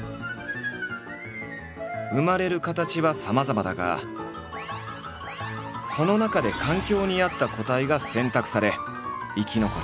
生まれる形はさまざまだがその中で環境に合った個体が選択され生き残る。